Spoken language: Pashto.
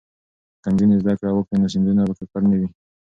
که نجونې زده کړې وکړي نو سیندونه به ککړ نه وي.